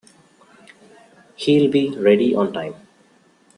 He'll be ready on time.